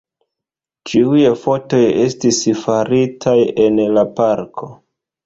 Ĉiuj fotoj estis faritaj en la parko.